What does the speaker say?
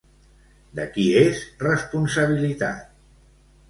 De qui és responsabilitat?